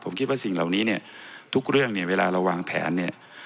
ผมคิดว่าสิ่งเหล่านี้เนี่ยทุกเรื่องเนี่ยเวลาเราวางแผนเนี่ย